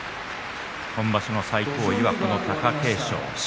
今場所の最高位は貴景勝です。